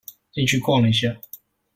進去逛了一下